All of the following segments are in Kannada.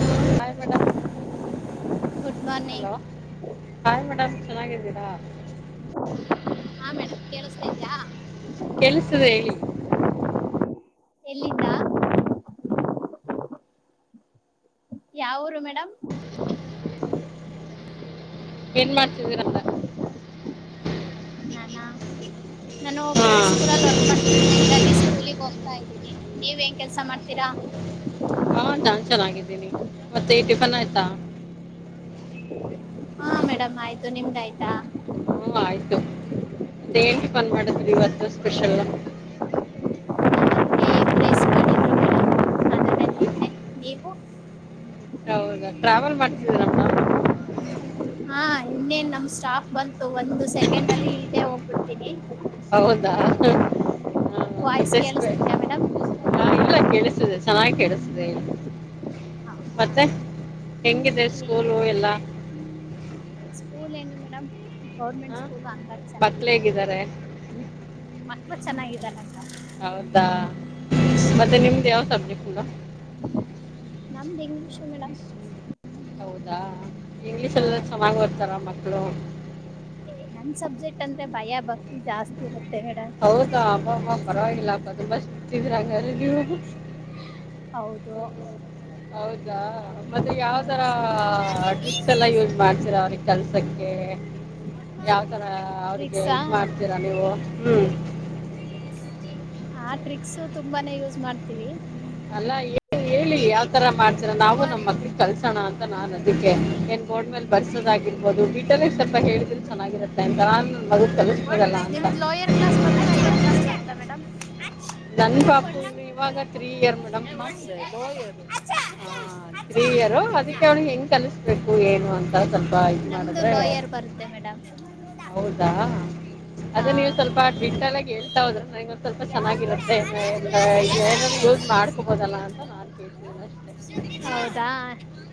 ಹ್ ಮೇ್ good morning hello hi madam ಚೆನ್ನಾಗಿದ್ದೀರಾ ಹಾ ಮೇಡಮ್ ಕೇಳಸ್ತಾ ಇದೇಯಾ ಕೇಳಸ್ತಿದೆ ಹೇಳಿ ಎಲ್ಲಿಂದ ಯಾವುರು ಮೇಡಮ್ ಏನ್ ಮಾಡ್ತಿದೀರ ಅಂದ ನಾನಾ ನಾನು ಹಾ ಪ್ರೈವೇಟ್ ಸ್ಕೂಲಲ್ಲಿ ನೀವೆನ್ ಕೆಲ್ಸ ಮಾಡ್ತೀರಾ ಹಾ ನಾನ್ ಚೆನ್ನಾಗಿದ್ದೀನಿ ಮತ್ತೆ ಈ ಟಿಫನ್ ಆಯ್ತಾ ಹಾ ಮೇಡಮ್ ಆಯ್ತು ನಿಮ್ದ ಆಯ್ತಾ ಹ ಆಯ್ತು ಮತ್ತ ಏನ್ ಟಿಫನ್ ಮಾಡದ್ರಿ ಇವತ್ತು ಸ್ಪೆಷಲ್ ಏಗ್ ರೈಸ್ ಮಾಡಿದ್ರು ಮೇಡಮ್ ಅದನ್ನೇ ಹ್ಮ ತಿಂದೆ ನೀವು ಹೌದಾ ಟ್ರಾವೆಲ್ ಮಾಡ್ತಿದ್ದೀರಾ ಮೇಡಮ್ ಹಾ ಇನ್ನೇನ್ ನಮ್ ಸ್ಟಾಫ್ ಬಂತೂ ಒಂದು ಸೆಕೆಂಡ್ ಅಲ್ಲಿ ಇಳದೇ ಹೋಗ್ ಕೊಡ್ತೀನಿ ಹೌದಾ ಹಾ ವಾಯ್ಸ್ ಮತ್ತೆಷ್ಟ ಕೇಳಿಸ್ತಿದ್ಯಾ ಮೇಡಮ್ ಸ ಹ ಇಲ್ಲ ಕೇಳಿಸ್ತಿದೆ ಚೆನ್ನಾಗಿ ಕೇಳಿಸ ಅದ ಹೌದಾ ಮತ್ತೆ ಹೆಂಗಿದೆ ಸ್ಕೂಲು ಏನಿಲ್ಲ ಎಲ್ಲಾ ಸ್ಕೂಲ ಏನ್ ಮೇಡಮ್ ಗೌರ್ಮೆಂಟ್ ಸ್ಕೂಲ್ ಹಂಗಾಗಿ ಮಕ್ಳು ಚೆನ್ನಾಗಿದೆ ಹೇಗಿದ್ದಾರೆ ಮನಸ ಚೆನ್ನಾಗಿದ್ದಾರೆ ಅಂತ. ಹೌದಾ ಮತ್ತೆ ನಿಮ್ದ ಯಾವ ಸಬ್ಜೆಕ್ಟ್ ಕನ್ನಡ ನಮ್ದು ಇಂಗ್ಲೀಷ ಮೇಡಮ್ ಹೌದಾ ಇಂಗ್ಲೀಷ್ ಹಾ ಎಲ್ಲಾ ಚೆನ್ನಾಗಿ ಬರೀತರ ಮಕ್ಳ ಲೊ ಏ ನನ್ ಸಬ್ಜೆಕ್ಟ್ ಅಂದ್ರೆ ಭಯ ಭಕ್ತಿ ಜಾಸ್ತಿ ಇರುತ್ತೆ ಮೇಡಮ್. ಹೌದಾ ಅಬ್ಬಾ ಅಬ್ಬಾ ಹಾ ಪರವಾಗಿಲ್ಲ ತುಂಬಾ ಸ್ಟಿ ತಿದ್ರಾ ಹಂಗರ್ ನೀವು ಹೌದು ಹೌದಾ ಮತ್ತೆ ಹಾ ಯಾವ್ ತರ ಟ್ರಿಕ್ಸ್ ಎಲ್ಲ ಯೂಸ್ ಮಾಡ್ತೀರ ಅವ್ರಿಗೆ ಕಲ್ಸಕ್ಕೆ ಯಾವ್ತರ ಅವ್ರಿಗೆ ಟ್ರಿಕ್ಸಾ ಇದ ಮಾಡ್ತೀರಾ ನೀವು ಹ್ಮ್ ಹಾ ಟ್ರಿಕ್ಸ್ ತುಂಬಾನೇ ಯೂಸ್ ಮಾಡ್ತೀವಿ ಅಲ್ಲಾ ಹೇಳಿ ಯಾವ್ತರ ಮಾಡ್ತೀರ ನಾವು ನಮ್ ಮಕ್ಳಿಗೆ ಕಲ್ಸೋಣ ಅಂತ ನಾನ್ ಅದಿಕೆ ಎನ್ ಹೇಳಿದ್ರೆ ಚೆನ್ನಾಗಿರುತ್ತೆ ಅಂತ ನಾನು ನನ್ನ ಮಗು ಕಲಿಸ್ಬೋದಲ್ಲ ಅಂತ ಲೋಯರ್ ಕ್ಲಾಸ್ ಬೈಯರ್ ಕ್ಲಾಸ್ಗೆತ ಮಡ ನನ್ನ ಪಾಪು ಕೊಡ್ ಇನ್ನು ಇವಾಗ ತ್ರೀ ಇಯರ್ ನೋಡಿ ಹಾ ತ್ರೀ ಇಯರು ಅದಕ್ಕೆ ಅವ್ನು ಹೆಂಗ್ ಕಲಿಸಬೇಕು ಏನು ಸ್ವಲ್ಪ ಇದು ನಮ್ದು ಮಾಡಿದ್ರೆ ಲೋಯರ್ ಬರುತ್ತೆ ಮೇಡಮ್ ಹೌದಾ ಹಾ. ಅದೇ ನೀವು ಸ್ವಲ್ಪ ಡಟಲ್ಗ ಹೇಳ್ತಾ ಹೋದ್ರೊಂದ ಸ್ವಲ್ಪ ಚೆನ್ನಾಗಿರುತ್ತೆ ಏನಾದರು ಯೂಸ್ ಮಾಡ್ಕೊಬೋದಲ್ಲಾ ಅಂತ ನಾನ್ ಕೇಳ್ತೀನಿ ಅ ಹೌದಾ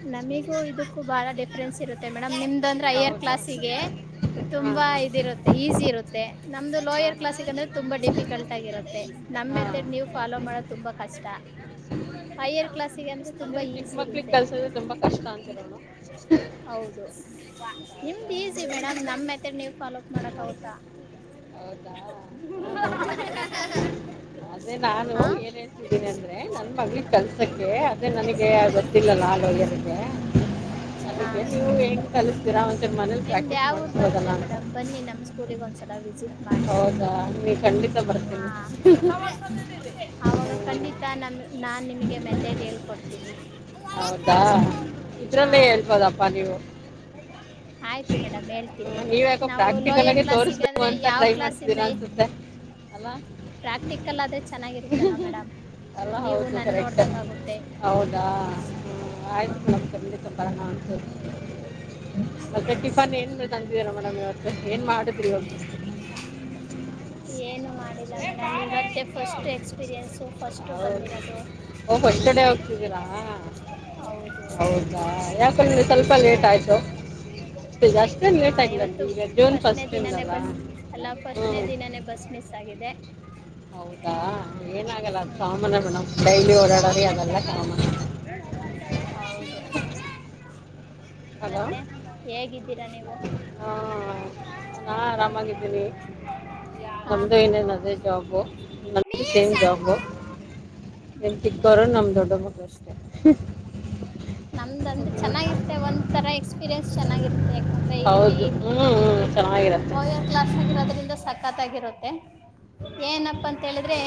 ಹ್ಮ್. ನಮಿಗೂ ಇದಕ್ಕೂ ಬಾಳ ್ರೆಸ್ರುತ್ತೆೇಡ ನಮ್ ನಿಮ್ದ ಅಂದ್ರೆ ಐಯರ್ ಹೌದಾ ಕ್ಲಾಸ್ಿಗೆ ಹಾಂ ಹಾಂ ತುಂಬಾ ಹಾಂ ಇದಿರುತ್ತೆ ಈಸಿ ಇರುತ್ತೆ ನಮ್ದು ಲೋಯರ್ ಕ್ಲಾಸ್ಕ್ ಅಂದ್ರೆ ತುಂಬಾ ಡಿಫಿಕಲ್ಟ್ ಆಗಿರುತ್ತೆ ನಮ ಹಾಂ ಹಾಂ ಮೆತೆಡ್ ನೀವು ಫಾಲೋ ಮಾಡೋ ತುಂಬ ಕ ಕ್ಾ ಅಂದ್ರೆ ಚಿಕ್ಕ ಮಕ್ಳಗ್ ಕಲ್ಸದ್ರೆ ತುಂಬಾ ಕಷ್ಟ ಅಂತ ನೋ ನಿಮ್ದ್ ಈಸಿ ವೇಣ ನಮ್ಮ್ತ್ರ ನೀವು ಪಾಲೋಕ್ ಮಾಡಕಾವತ ಹೌದಾ ಹಾ ಹಾ ಹಾ ಅದೇ ನಾನು ಹಾ ಏನ್ ಹೇಳ್ತಿದ್ದೀನಿ ಅಂದ್ರೆ ನನ್ ಮಳಿಗೆ ಕಲ್ಸಕ್ಕೆ ಅದೇ ನನಗೆ ಗೊತ್ತಿಲ್ಲಲ್ಲ ಆಲೋಗ್ಯರಿಗೆ ಹಾ ಅದಕ್ಕೆ ನೀವು ಹೆಂಗ್ ಕಲಸ್ತೀರಾ ಒಂಚ ಮನೇಲಿ ನಿಮ್ದ್ ಪ್ರಾಕ್ಟೀಸ್ ಯಾವ ಮಾಡಿಸಬೋದಲ್ಲ ಅಂತ ಸ ಚಿ ಮಾಡಿ ಹೌದಾ ನೀವು ಖಂಡಿತ ಬರ್ತೀನಿ ಹ ಅವಾಗ ಖಂಡಿತ ಹ್ಮ್. ನಮ ನಾನ್ ನಿಮಗೆ ಮೆತೆಡ್ ಹೇಳ್ಕೊಡ್ತೀನಿ ಹೌದಾ ಹಾ ಇದ್ರನ್ನೇ ಹೇಳ್ಬೋದಪ್ಪಾ ನೀವು ಆಯ್ತು ಮೇಡಮ್ ಹೇಳ್ತ ಹ್ಮ ನೀವ ಯಕೋ ಪ್ರಾಕ್ಟಿಕಲ್ ಆಗಿ ತೋರಿಸಸ್್ಬೇಕು ಅಂತ ಯಾವ ಟ್ರೈ ಕ್ಲಾಸಿಂದ ಮಾಡ್ತಿದ್ದೀರ ಅನ್ಸುತ್ತೆ ಅಲ್ಲ ಪ್ರಾಕ್ಟಿಕಲ್ ಆದ್ರೆ ಚೆನ್ನಾಗಿರುತ್ತಲ್ಲ ಮೇಡಮ್ ಅಲ್ಲ ನೀವು ಹೌದು ನನ್ ಸರೆಕ್ ನೋಡ್ದಂಗ ಆಗುತ್ತೆ ಹೌದಾ ಹ ಹ್ಮ್ ಆಯ್ತು ನಮ್ಪ ಮತ್ತೆ ಟಿಫನ್ ಏನ್ ನಂದಿದೀರ ಮೇಡಮ್ ಇವತ್ತು ಏನ್ ಮಾಡುದ್ರಿ ಒಂದುಸ್ ಏನು ಮಾಡಿಲ್ಲ ಮೇಡಮ್ ಇವತ್ತ ಫಸ್ಟ್ ಎಕ್ಸ್ಪೀರಿಯನ್ಸು ಫಸ್ಟ್ ಹೌದು ಬಂದಿರೋದು ಹಾಂ ಹೌದು ಹೌದಾ ಯಾಕಂದ್ರೆ ಸ್ವಲ್ಪ ಲೇಟ್ ಆಯ್ತು ಸ ಹಾ ಇವತ್ತು ಫಸ್ಟ್ನೇ ದಿನನೇ ಬಸ್ ಅಲ್ಲ ಹ್ಞೂ ಫಸ್ಟ್ನೇ ದಿನನೇ ಬಸ್ ಮಿಸ್ ಆಗಿದೆ ಹೌದಾ ಏನ ಆಾಗಲ್ಲ ಅ ಹ್ಮ್ ಸಾಮನ್ಯ ಮೇಡಮ್ ಡೈಲಿ ಓಡಾಡಾರಿ ಅದೆಲ್ಲ ಸಾಮನ್ ಮತ್ತೆ ಹೇಗ [inaudible] ಹಾ ನಾ ಆರಾಮಾಗಿದ್ದೀನಿ ಹಾ ನಮ್ದು ಇನ್ನೇನ್ ಅದೇ ಜಾಬು ನಮ್ದು ಸೇಮ್ ಜಾಬು ನಿಮ್ ಚಿಕ್ಕೋರು ನಮ ದೊಡ್ಡರ- ನಮ್ದ ಅಂದ್ರೆ ಚೆನ್ನಾಗಿತ್ತೆ ಒಂದ್ ತರ ಎಕ್ಸ್ಪೀರಿಯನ್ಸ್ ಚೆನ್ನಾಗಿರುತ್ತೆ - ಅಂದ್ರೆ ಇಲ್ಲಿ ಹೌದು ಹ್ಞೂ ಚೆನ್ನಾಗಿರತ್ತೆ ಲೋಯರ್ ಕ್ಲಾಸ್ ಆಗಿರೋದ್ರಿಂದ ಸಖತಾಗಿರುತ್ತೆ. ಏನಪ್ಪ ಅಂತ ಹೇಳಿದ್ರೆ.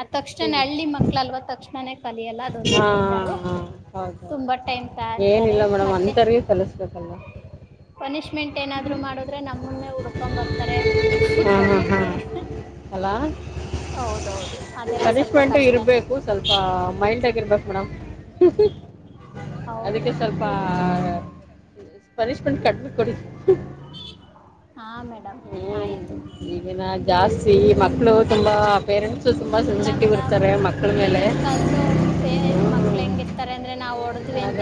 ಅ ತಕ್ಷಣೆ ಹೇಳಿ ಹಳ್ಳಿ ಮಕ್ಳಲ್ವ ತಕ್ಷಣನೇ. [inaudible] ಒಂದೇ ಹಾ ಬೇಜಾರು ಹೌದೌದು ತುಂಬಾ ಟೈಮ್ ತಗಂತರೇ ಏನಿಲ್ಲ ಮೇಡಮ್ ಮತ್ತೆ ಅಂಥವ್ರಿಗೆ ಕಲಿಸ್ಬೇಕಲ್ಲ ಪನಿಶ್ಮೆಂಟ್ ಏನಾದ್ರು ಮಾಡುದ್ರೆ ನಮ್ಮನ್ನೆ ಹುಡ್ಕೊಂಡ್ ಬರ್ತಾರೆ ಹಾಂ ಹಾಂ ಬಯ್ಯೋಕೆ ಹಾಂ ಅಲ್ಲ ಹೌದೌದು ಅದೆಲ್ಲ ಸ್ವಲ್ಪ ಕಷ್ಟನೇ. ಇರ್ಬೇಕು ಮೇಡಮ್. ಹೌದು ಅದಕ್ಕೆ ಸ್ವಲ್ಪ- ಇದು ಪನಿಶ್ಮೆಂಟ್ ಕಡಿಮೆ ಕೊಡಿ. [unintelligible] ಹಾ ಮ್ಯಾಮ್. ಮೇಡಂ ಹ್ಞೂ ಆಯ್ತು. ಈಗಿನ ಜಾಸ್ತಿ ಮಕ್ಕಳು ತುಂಬಾಹ- ಇಲ್ಲ ಮೇಡಮ್ ಮೇಲೆ ಈಗಿನ್ ಕಲ್ದು ಪೇ ಮಕ್ಕ್ಳು ಹೆಂಗಿರ್ತಾರೆ ಅಂದ್ರೆ ನಾವ್ ಓಡ್ದ- ಅದ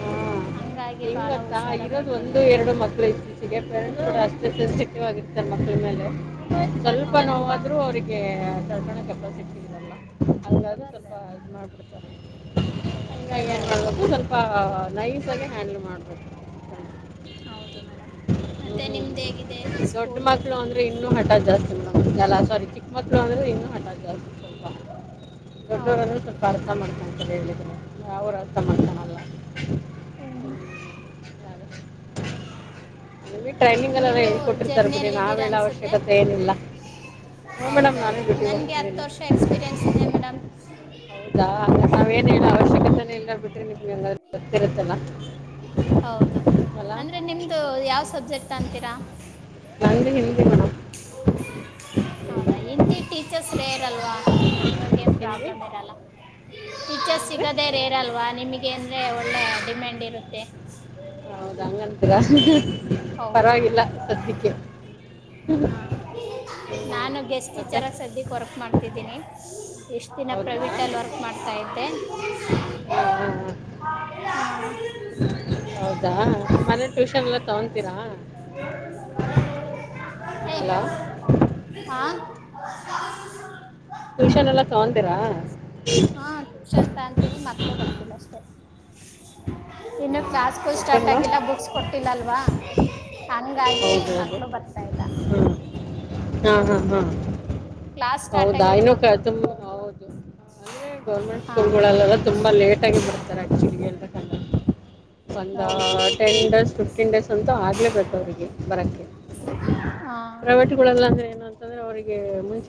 ಹಾ ಹಂಗಾಗಿ ಬಹಳ ಇಂಗ್ಗೋತ ಹುಷಾರಾಗಿ ಇರೋದು ಮೇಂಟೈನ್ ಒಂದು ಮಾಡ್ಬೇಕು ಎರಡು ಮಕ್ಕಳು ಇತ್ತೀಚೆಗೆ ಪೇರೆಂಟ್ಸ್ ಕೂಡ ಅಷ್ಟೇ ಸೆನ್ಸ್ಟಿವ್- ವಾಗಿರ್ತಾರೆ ಮಕ್ಕಳ ಮೇಲೆ. ಸ್ವಲ್ಪ ಹೌದು ನೋವಾದ್ರೂ ಅವ್ರಿಗೆ. [inaudible] [unintelligible] ಹಾ ಇದು ಮಾಡಬಿಡ್ತಾರೆ. ಇನ್ನ ಏನ್ ಹೌದು ಮಾಡಬೇಕು ಸ್ವಲ್ಪ ನೈಸ್ - ಹ್ಯಾಂಡಲ್ ಮಾಡ್ಬೇಕು. ಹೌದು ಮೇಡಮ್ ಮತ್ತೆ ನಿಮ್ದು ಹೇಗಿದೆ ಹ್ಮ್ ದೊಡ್ಡ ಸ್ಕೂಲು ಮಕ್ಳು ಅಂದ್ರೆ ಇನ್ನು ಹಠ ಜಾಸ್ತಿ ಮೇಡಂ ಅಲ್ಲ ಸಾರಿ. ಮಕ್ಳು ಅಂದ್ರೆ ಇನ್ನು ಹಠಾ ಜಾಸ್ತಿ ಸ್ವಲ್ಪ. ದೊಡ್ಡ್ರ ಹೌದು ಅಂದ್ರೆ ಸ್ವಲ್ಪ ಅರ್ಥ ಮಾಡ್ಕೊಳ್ತಾರೆ ಹೇಳಿದ್ರೆ. ಅವ್ರ ಅರ್ಥಮಾಡ್ಕೊಳಲ್ಲ ಅಲ್ಲ. ಹಾಗೆ. [inaudible] ಟ್ರೈನಿಂಗ್ ಅಳಿಯಲ್ಲ ನೀವು ಹೇಳಿಕೊಟ್ಟಿರ್ತಾರೆ ಬಿಡಿ ಜರ್ನಿಯಲ್ಲಿ ನಾವ್ ಇದ್ದೀರಾ ಹೇಳ ಅನ್ಸುತ್ತೆ ಅವಶ್ಯಕತೆ ಏನಿಲ್ಲ ಹು ಮೇಡಮ್ ನಾನು ಹೌದೌದು ಡ್ಯೂಟಿ ನನಗೆ ಹತ್ತು ಹೋಗ್ತಿದ್ದೀನಿ ವರ್ಷ ಎಕ್ಸ್ಪೀರಿಯನ್ಸ್ ಇದೆ ಮೇಡಮ್ ಹೌದ ನಾವ ಏನ್ ಹೇಳ ಅವ್ಯ- ಎಲ್ಲ ಬಿ- ಗೊತ್ತಿರುತ್ತಲ್ಲ. ಹೌದು ಅಲ್ಲ ಅಂದ್ರೆ ನಿಮ್ದು ಯಾವ್ ಸಬ್ಜೆಕ್ಟ್ ತಂತೀರಾ ಮೇಡಂ ಹೌದಾ ಹಿಂದಿ ಟೀಚರ್ಸ್ ರೇರ್ ಅಲ್ವ ಹಂಗಗಿ ಏನ್ ಹಿಂದಿ ಪ್ರಬ್ಲಮ್ ಇರಲ್ಲ ಟೀಚರ್ ಏನಂದ್ರೆ ಸಿಗದೇ ರೇರ್ ಅಲ್ವಾ ನಿಮಗೆ ಹೇಗ್ ಅಂದ್ರೆ ಒಳ್ಳೆ ಡಿಮ್ಯಾಂಡ್ ಇರುತ್ತೆ ಹೌದ ಹಂಗಂತೀರ ಹೌದು ಪರವಾಗಿಲ್ಲ ಸದ್ಯಕ್ಕೆ ಹಾಂ ಹ್ಮ್. ನಾನು ಗೆಸ್ಟ್ ಮತ್ತೆ ಟಿಚರಾಗಿ ಸದ್ಯಕ್ಕೆ ವರ್ಕ್ ಮಾಡ್ತಿದ್ದೀನಿ ಇಷ್ಟು ದಿನ ಹೌದಾ ಪ್ರೈವೇಟಲ್ಲಿ ವರ್ಕ್ ಹಾಂ ಮಾಡ್ತಾ ಇದ್ದೆ ಹಾಂ ಹಾಂ ಹ್ಮ ಹ ಮನೆ ಟ್ಯೂಷನ್ ಎಲ್ಲ ತಗೊಂತೀರಾ ಹಲೋ ಹಾ [inaudible] ಟ್ಯೂಷನ್ ಎಲ್ಲ ತಗೊಂತೀರಾ ಹಾ ಟ್ಯೂಷನ್ ತಅಂತೀನಿ ಮಕ್ಳು ಬರ್ತಿಲ್ಲ ಅಷ್ಟೇ ಇನ್ನು ಕ್ಲಾಸ್ಗಳು ಮತ್ತೆ ಸ್ಟಾರ್ಟ್ ಮೇಡಮ್ ಆಗಿಲ್ಲ ಬುಕ್ಸ್ ಕೊಟ್ಟಿಲ್ಲ ಅಲ್ವಾ ಹಂಗಾಗಿ ಹೌದೌದು ಮಕ್ಳು ಬರ್ತಾ ಇಲ್ಲ ಹ್ಮ್ ಹಾ ಹಾ ಹಾ ಕ್ಲಾಸ್ ಸ್ಟಾರ್ಟ್ ಆಗಿದ್ರೆ ಹೌದಾಇನ್ ಮಕ್ಕಳು ತುಂಬ ಬರ್ತಾ ಇದ್ರು ಹೌದು ಅಂದ್ರೆ ಗೌರ್ಮೆಂಟ್ ಹಾಂ ಸ್ಕೂಲ್ಗಳಲ್ಲೆಲ್ಲ ತುಂಬಾ ಲೇಟ್ ಆಗಿ ಬರ್ತಾರೆ ಆಕ್ಚುಲಿ ಒಂದ ಹೌದು ಟೆನ್ ಡೇಸ್ ಫಿಫ್ಟೀನ್ ಡೇಸ್ ಅಂತೂ ಆಗ್ಲೇಬೇಕು ಅವಿಗೆ ಬರಕ್ಕೆ ಆ, ಪ್ರೈವೇಟ್ಗಳಲ್ಲಿ ಅಂದ್ರೆ ಏನ ಅಂದ್ರೆ ಅವರಿಗೆ ಮುಂಚೆ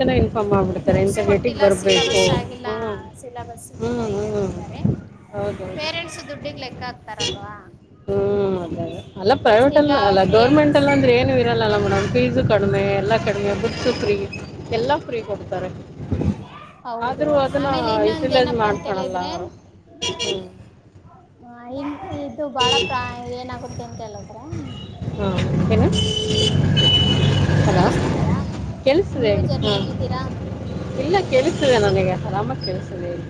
ಬುಕ್ಸ್ ಕೊಟ್ಟಿಲ್ಲ ಸಿಲೆಬಸ್ ಆಗಿಲ್ಲ ಹ್ಞೂ ಸಿಲಬಸ್ಗೆ ಹ್ಞೂ ಅಂತ ಹ್ಞೂ ಹೇಳ್ತಿದ್ದಾರೆ ಪೇರೆಂಟ್ಸ್ ದುಡ್ಡಿಗ್ ಲೆಕ್ಕ ಆಕ್ತಾರ ಹ್ಮ್ ಅದೇ ಅಲ್ಲ ಬುಕ್ಸ್ ಪ್ರೈವಟ್ ಅ ಈಗ ಅಲ್ಲ ಫ್ರೀಯಾಗಿ ಗೌರ್ಮೆಂಟ್ ಅಲ್ಲ ಅಂದ್ರೆ ಏನು ಇರಲ್ಲ ಮೇಡ್ ಫೀಸು ಕಡಿಮೆ ಎಲ್ಲ ಕಡಿಮೆ ಬುಕ್ ಫ್ರೀ ಎಲ್ಲ ಕೊಡ್ತಾರೆ ಹೌದು ಆದ್ರೂ ಅದನ್ನ ಆಮೇಲೆ ಇನ್ನೊಂದು ಯುಟಿಲೈಜ್ ಏನಪ್ಪ ಅಂತ ಮಾಡ್ಕೊಳಲ್ಲ ಹೇಳಿದ್ರೆ ಅವರು ಹ್ಮ ಆ, ಇನ್- ಇದು ಬಾಳ ಪ್ರ ಏನಾಗುತ್ತೆ ಅಂತ ಹೇಳದ್ರೆ ಹಾಂ ಏನು ಹಲೋ ಕೆಳ್ಸಿದೆ ನೀವು ಹೇಳಿ ಹಾ ಜರ್ನಿಯಲ್ಲಿದ್ದೀರಾ ಇಲ್ಲ ಕೆಳ್ಸಿದೆ ನನಗೆ ಆರಾಮಕ್ಕೆೇಳ್ ತದೆ ಹೇಳಿ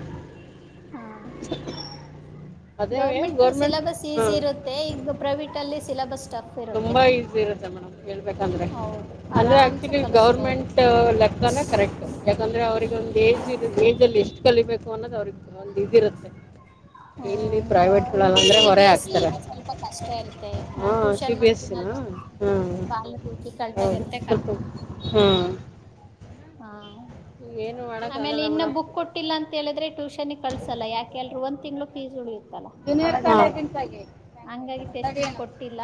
ಅದೇ ಗೌರ್ಮೆಂಟ್ ಸಿಲೆಬಸ್ ಈಸಿ ಹಾಂ ಇರುತ್ತೆ ಈಗ ಪ್ರೈವೇಟ್ ಅಲ್ಲಿ ಸಿಲಬಸ್ ಟಫ್ ಇರುತ್ತೆ ತುಂಬಾ ಈಸಿ ಇರುತ್ತೆ ಮೇಡಮ್, ಹೇಳ್ಬೇಕಂದ್ರೆ ಹೌದು ಅಂದ್ರೆ ಆರಾಮ್ಸೆ ಆಕ್ಚುಲಿ ಕಲಿಸ್ಬೋದು ಗವರ್ಮೆಂಟ್ ಲೆಕ್ಕನ ಕರೆಕ್ಟ್ ಯಾಕಂದ್ರೆ ಅವ್ರಿಗೆ ಒಂದ ಏಜ್ ಇ ಏಜ್ ಅಲ್ಲಿ ಇಷ್ಟಟ್ ಕಲಿಬೇಕ ಫನೋದ ಅವ್ರಿಗೆ ಒಂದು ಇದ ಇರುತ್ತೆ. ಹ್ಮ್ ಇದು ಸಿ ಬಿ ಹೊರೆ ಎಸ್ ಹಾಕ್ತಾರೆ ಎ ಸ್ವಲ್ಪ ಕಷ್ಟ ಇರ್ತ್ತತೆ ನಾನ್ ಹಾಂ ಟ್ಯೂಷನ್ ಸಿ ಬಿ ಎಸ್ಸಿನ ಮಾಡ್ತೀನಲ್ವಾ ಹಾಂ ಬಾಳ ಡಿಫಿಕಲ್ಟ್ ಹೌದು ಆಗಿರುತ್ತೆ ಕ ಸ್ವಲ್ಪ ಹಾಂ ಹಾ ಆಮೇಲೆ ಮಾಡಕ್ಕಾಗಲ್ಲ ಇನ್ನ ಮೇಡಮ್ ಬುಕ್ ಕೊಟ್ಟಿಲ್ಲ ಅಂತ ಹೇಳಿದ್ರೆ ಟ್ಯೂಷನ್ ಕಳ್ಸಲ್ಲ ಯಾಕೆಲ್ರು ಒಂದ್ ತಿಂಗ್ಳ ಪೀ ಹಂಗಾಗಿ ಸ್ಟ್ ಬುಕ್ ಕೊಟ್ಟಿಲ್ಲ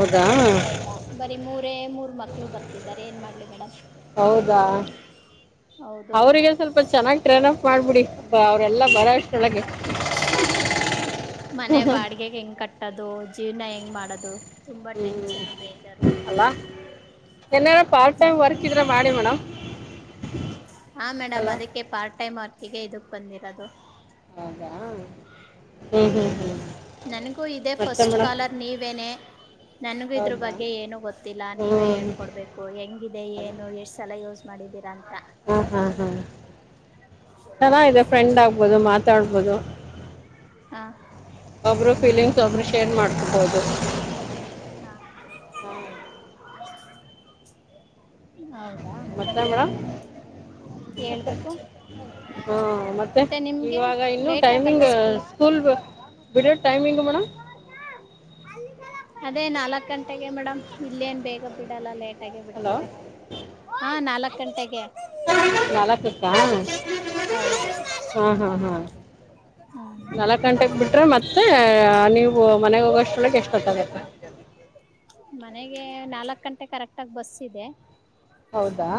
ಅಂತ ಕಳಸ್ತಾ ಇಲ್ಲ ಬರಿ ಮೂರ ಮೂರು ಮಕ್ಕಳು ಬರ್ತಿದ್ದಾರೆ ಏನ್ ಮಾಡ್ಲಿ ಮೇಡಮ್. ಹೌದಾ ಹೌದು ಅವ್ರಿಗೆ ಸ್ವಲ್ಪ ಚೆನ್ನಾಗ್ತರನ ಮಾಡ್ಬಿಡಿ ಅವರೆಲ್ಲ ಬರೋ ಅಷ್ಟರೊಳಗೆ ಮನೆ ಬಾಡಿಗೆಗೆ ಹೆಂಗ ಕಟ್ಟದು. ಜೀವನ ಹೆಂಗ್ ಮಾಡೋದು. ತುಂಬಾ ಟೆನ್ಷನ್ ಬೇಜಾರು ಹ್ಮ್ ಅಲ್ಲ ಏನಾರ ಪಾರ್ಟ್ ಟೈಮ್ ವರ್ಕ್ ಇದ್ರೆ ಮಾಡಿ ಮೇಡಮ್. ಹಾ ಅಲ್ಲ ಮೇಡಮ್ ಅದಕ್ಕೆ ಪಾರ್ಟ್ ಟೈಮ್ ಆ ಹಗ ಇದಕ್ ಬಂದಿರೋದು ಆದ ಹ್ಮ್ ನನ್ಗೂ ಇದೇ ಮತ್ತೆ ಫಸ್ಟ್ ಮೇಡಮ್ ಕಾಲರ್ ನೀವೇನೆ ನನ್ಗೂ ಇದ್ರ ಹೌದಾ ಬಗ್ಗೆ ಏನು ಗೊತ್ತಿಲ್ಲ ಹ್ಞೂ ನೀವೇ ಹೇಳ್ಕೊಡ್ಬೇಕು ಹೆಂಗಿದೆ ಏನು ಎಷ್ಟ್ ಸಲ ಯೋಸ್ ಮಾಡಿದೆ. ಹಾ ಹಾ ಹ್ಮ್ ಚೆನ್ನಾಗಿದೆ ಫ್ರೆಂಡ್ ಆಗ್ಬೋದು ಮಾತಾಡ್ಬೋದು. ಹಾ ಒಬ್ಬರು ಫೀಲಿಂಗ್ಸ್ ಒಬ್ಬರು ಶೇರ್ ಮಾಡ್ಕೊಬೋದು. ಹಾ ಇ ಹೌದು. ಮತ್ತೆ ಮೇ ಹ ಹೇಳ್ಬೇಕು ಮತ್ತೆ ನಿಮ್ಗೆ ಇವಾಗ ಇನ್ನು ಲೇಟ್ ಟೈಮಿಂಗ್ ಆಗಲ್ವಾ ಸ್ಕೂಲ್ ಬಿಡ ಟೈಮಿಂಗ ಮೇಡ ಅದೇ ನಾಲ್ಕಕ್ ಗಂಟೆಗೆ ಮೇಡಮ್ ಇಲ್ಲೇನ್ ಬೇಗ ಬಿಡಲ್ಲ ಲೇಟ್ ಹಲೋ ಬಿಡ್ತಾರೆ ಹ ನಾ ಗಂಟೆಗೆ ನ ಹೌದು ಹ ಹ ಹ ಹ್ಮ್ ನ ಗಂಟೆಗೆ ಬಿಟ್ರೆ ಮ ನೀ ಮನೆ ಹೋಗೋಷ್ಟ್ರೊಳಗ್ ಎಷ್ಟೊತ್ತಾಗತ್ತ? ಮನೆಗೆ ನಾಲ್ಕ್ ಗಂಟೆ ಕರೆಕ್ಟ್ ಆಗ ಬಸ್ ಇದೆ. ಹೌದಾ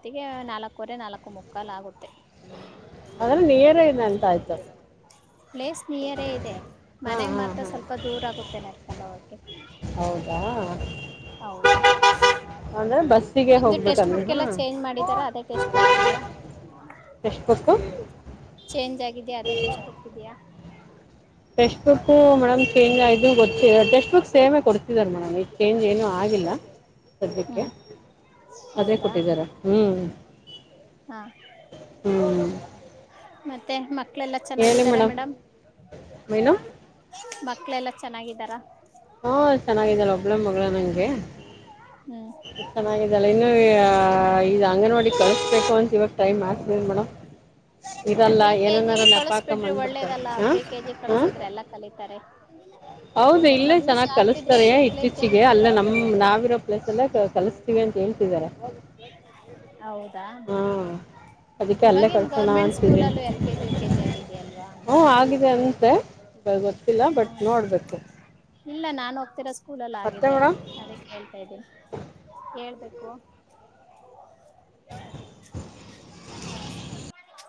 ಮತ್ತಿಗೆ ನಾಲ್ಕವರೆ ನಾಲ್ಕು ಮುಕ್ಕಾಲ್ ಆಗುತ್ತೆ. ಆದ್ರೆ ನಿಯರ ನ ಎಂತ ಆಯ್ತು. ಪ್ಲೇಸ್ ನಿಯರೇ ಇದೆ ಹಾಂ ಮನೆಗೆ ಹಾಂ ಮಾತ್ರ ಹಾಂ ಸ್ವಲ್ಪ ದೂರ ಆಗುತ್ತೆ ನರ್ಕೊಂಡು ಹೋಗೆ ಹೌದಾ ಹೌದು ಅಂದರೆ [inaudible] ಬಸ್ಸಿಗೆ ನಿಮ್ದು ಟೆಸ್ಟ್ ಹೋಗ್ಬೇಕಂದ್ರೆ ಬುಕ್ ಎಲ್ಲ ಹಾಂ ಚೇಂಜ್ ಮಾಡಿದರಾ ಅದೇ ಟೆಸ್ಟ್ ಬಕ್ ಇದ್ಯ ಟೆಕ್ಸ್ಟ್ ಬುಕ್ಕು ಚೇಂಜ್ ಆಗಿದ್ಯಾ ಅದೆ ಇದ್ಯಾ ಟೆಕ್ಸ್ಟ್ ಬುಕ್ಕೂ ಮೇಡಮ್ ಚೇಂಜ್ ಆಯ್ತೆ ಗೊತ್ತ ಟೆಸ್ಟ್ ಬುಕ್ ಸೇಮೆ ಕೊಡ್ತಿದರ್ ಮೇಡಮ್ ಈಗ್ ಚೇಂಜ್ ಏನು ಆಗಿಲ್ಲ ಸದ್ಯಕ್ಕೆ ಹ್ಮ್ ಅದೇ ಕೊಡ್ತಾ ಇದಾರೆ ಹ್ಮ್ ಹ ಮತ್ತೆ ಮಕ್ ಕ್ಳೆಲ್ಲ ಚೆನ್ನಾಗಿದಾರ ಮೇಡಮ್ ಮೀನು ಕ್ಳೆಲ್ಲ ಚೆನಾಗಿದರ ಹಾ ಚೆನ್ನಾಗಿದಾರ್ ಒಬ್ಳೆ ಮಗ್ಳು [unintelligible] ದೇ ಹ್ಮ್ ಚೆನಾಗಿದಾಳೆ ಇನ್ನು ಯಾ ಇಲ್ಲ ಅಂಗನವಾಡಿ [inaudible] ಬೇಕು ಅಂತ್ ಇವಾಗ್ ಟೈಮ್ [inaudible] ಮೇಡಮ್ ಇರಲ್ಲ ಪ್ರೀ ಕೆ ಏನೇನಾರ ಜಿಗೆ ನೆಪ ಹಾಕ ಕಳಿಸ್ಬಿಡ್ರಿ ಬಂದ್ಬಿಡ್ತರೆ ಒಳ್ಳೇದಲ್ಲ ಆ ಪ್ರೀ ಕೆ ಜಿ ಆ ಕಳಿಸಿದ್ರೆ ಎಲ್ಲ ಕಲಿತಾರೆ ಹೌದ ನಿಮ್ ಇಲ್ಲೇ ಮಗಳು ಚೆನ್ನಾಗ್ ಶಾರ್ಪ್ ಇದ್ರೆ ಕಲುಸ್ತಾರೆ ಪ್ರೀ ಕೆ ಜಿ ಇತ್ತೀಚಿಗೆ ಅಲ್ಲೇ ನಮ್ ನಾವಿರೋ ಪ್ಲೇಸ್ ಅಲ್ಲೇ ಕಲುಸ್ತೀವಿ ಅಂತ್ ಹೇಳ್ತಿದಾರೆ ಹೌದಾ ಹಾಂ ಅದಕ್ಕೆ ಅಲ್ಲೇ ಇವಾಗೇನ್ ಕಳ್ಸೋಣ ಗೌರ್ಮೆಂಟ್ ಅಂತಿದ್ದೀನಿ ಸ್ಕೂಲಲ್ಲೂ L K G U K G ಆಗಿದ್ಯಲ್ವಾ ನಂಗ್ ಗೊತ್ತಿಲ್ಲ ಬಟ್ ನೋಡಬೇಕು ಇಲ್ಲ ನಾನು ತಿರುಸ್ ಸ್ಕೂಲಲ್ ಮತ್ತೆ ಆಗಿದೆ ಮೇಡಮ್ ಅದಿಕ್ ಹೇಳ್ತ ಇದೀನ್ ಹೇಳ್ಬೇಕ್ ಓ [inaudible] [unintelligible] ಗುಡ್ ಮಾರ್ನಿಂಗ್